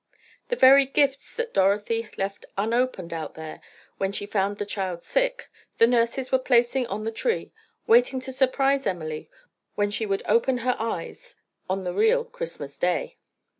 The very gifts that Dorothy left unopened out there, when she found the child sick, the nurses were placing on the tree, waiting to surprise Emily when she would open her eyes on the real Christmas day.